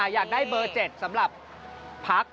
อยากได้เบอร์๗สำหรับพัก